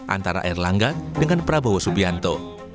antara erlangga dengan prabowo subianto